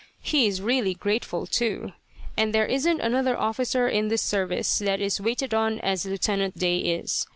He is really grateful, too, and there isn't another officer in the service that is waited on as Lieutenant Day is.